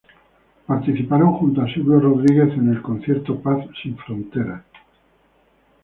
Participaron junto a Silvio Rodríguez en el Concierto Paz sin Fronteras.